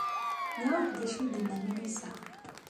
Nniɣ-ak d acu ay d-tenna Melissa?